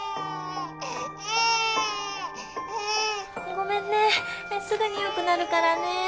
ごめんねすぐに良くなるからね。